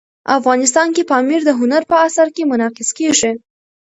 افغانستان کې پامیر د هنر په اثار کې منعکس کېږي.